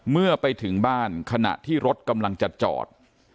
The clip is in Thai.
เมื่อไปถึงบ้านขณะที่รถกำลังจะจอด